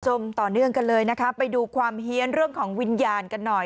คุณผู้ชมต่อเนื่องกันเลยนะคะไปดูความเฮียนเรื่องของวิญญาณกันหน่อย